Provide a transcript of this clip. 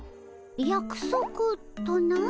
やくそくとな？